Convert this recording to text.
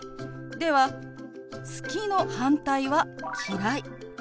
では「好き」の反対は「嫌い」。